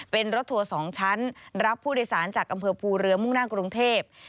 เป็นรถทัวร์๒ชั้นรับผู้โดยสารจากอำเภอภูเรือมุ่งหน้ากรุงเทพ